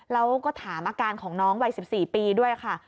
แล้วก็ถามอาการของน้องวัย๑๔ปีด้วยค่ะ